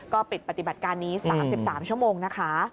ก็ปิดปฏิบัติการนี้๓๓ชั่วโมงนะคะ